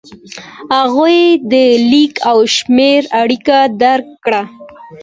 هغوی د لیک او شمېر اړیکه درک کړه.